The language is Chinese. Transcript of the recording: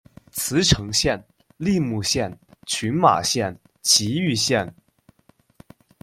茨城县、栃木县、群马县、崎玉县